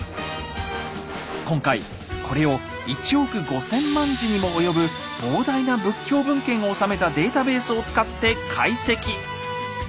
今回これを１億５，０００万字にも及ぶ膨大な仏教文献を収めたデータベースを使って解析。